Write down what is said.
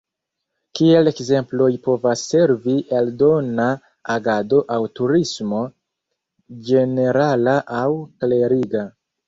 Kiel ekzemploj povas servi eldona agado aŭ turismo (ĝenerala aŭ kleriga).